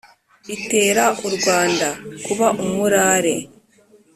Itera u Rwanda kuba umurare.